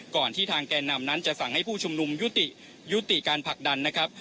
ก่อนที่ทางแก่นำนั้นจะสั่งให้ผู้ชุมนุมยุติการผลักดันนะครับ